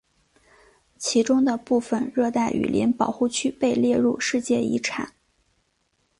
其中的部分热带雨林保护区被列入世界遗产。